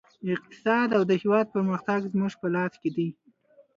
اقتصاد او د هېواد پرمختګ زموږ په لاس کې دی